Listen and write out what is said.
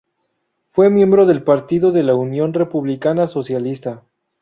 Fue miembro del Partido de la Unión Republicana Socialista.